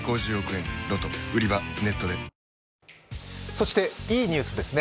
そしていいニュースですね。